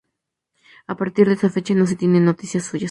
A partir de esa fecha no se tiene noticias suyas.